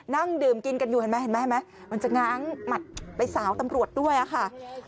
นั่งดื่มกินกันอยู่เห็นไหมเห็นไหมมันจะง้างหมัดไปสาวตำรวจด้วยค่ะ